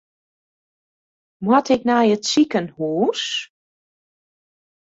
Moat ik nei it sikehús?